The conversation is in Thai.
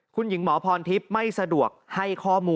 คุณหญิงหมอพรทิพย์ไม่สะดวกให้ข้อมูล